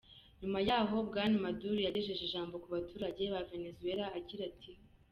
Nyuma yaho, Bwana Maduro yagejeje ijambo ku baturage ba Venezuela agira ati: .